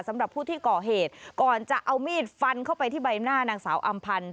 สำหรับผู้ที่ก่อเหตุก่อนจะเอามีดฟันเข้าไปที่ใบหน้านางสาวอำพันธ์